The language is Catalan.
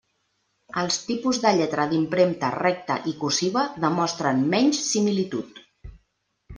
Els tipus de lletra d'impremta recta i cursiva demostren menys similitud.